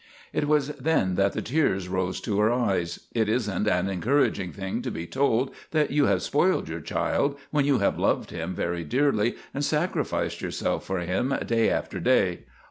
It was then that the tears rose to her eyes. It is n't an encouraging thing to be told that you have spoiled your child when you have loved him very dearly and sacrificed yourself for him day after day.